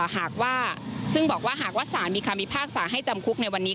หากว่าซึ่งบอกว่าหากว่าสารมีคำพิพากษาให้จำคุกในวันนี้